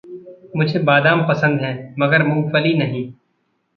मुझे बदाम पसंद हैं, मगर मूँगफली नहीं।